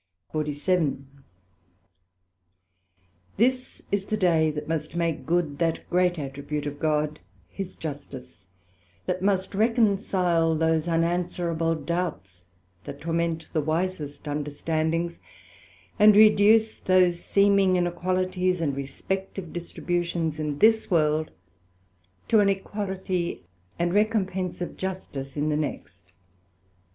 SECT.47 This is the day that must make good that great attribute of God, his Justice; that must reconcile those unanswerable doubts that torment the wisest understandings, and reduce those seeming inequalities, and respective distributions in this world, to an equality and recompensive Justice in the next.